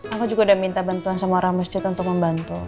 aku juga udah minta bantuan sama orang masjid untuk membantu